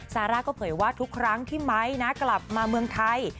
ซาร่าก็เผยว่าทุกครั้งที่ไมค์นะกลับมาเมืองไทย